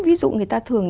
ví dụ người ta thường